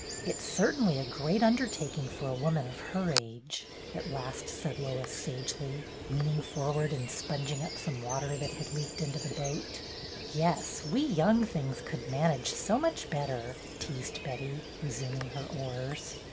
"It 's certainly a great undertaking for a THE PICNIC 31 woman of her age," at last said Lois, sagely, leaning forward and sponging up some water that had leaked into the boat. ''Yes, we young things could manage so much better," teased Betty, resuming her oars.